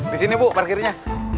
disini bu parkirnya